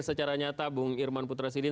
secara nyata bung irman putra sidin